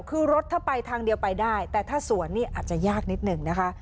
คือรถถ้าไปทางเดียวไปได้แต่ถ้าสวนนี่อาจจะยากนิดหนึ่งนะคะ